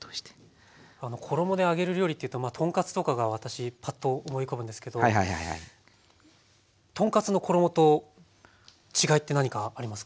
衣で揚げる料理っていうとまあ豚カツとかが私パッと思い浮かぶんですけど豚カツの衣と違いって何かありますか？